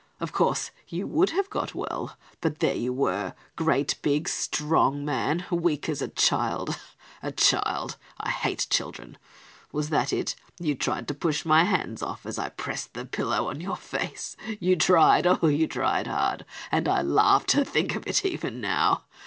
Of course you would have got well; but there you were, great big, strong man, weak as a child, a child! I hate children. Was that it? You tried to push my hands off, as I pressed the pillow on your face, you tried; oh, you tried hard, and I laugh to think of it even now.